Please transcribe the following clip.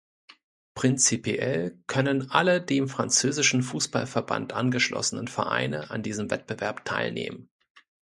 Prinzipiell können alle dem französischen Fußballverband angeschlossenen Vereine an diesem Wettbewerb teilnehmen.